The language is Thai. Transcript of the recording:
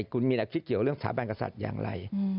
คุณมีแนวคิดเกี่ยวเรื่องสถาบันกษัตริย์อย่างไร